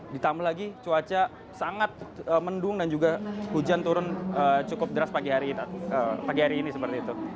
ditambah lagi cuaca sangat mendung dan juga hujan turun cukup deras pagi hari ini seperti itu